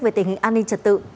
về tình hình an ninh trật tự